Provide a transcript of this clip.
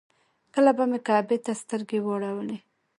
کله به مې کعبې ته سترګې واړولې.